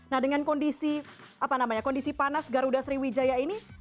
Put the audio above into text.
nah dengan kondisi apa namanya kondisi panas garuda sriwidaya ini